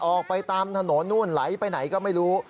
ออกไปตามถนนนู่นไหลไปไหนก็ไม่รู้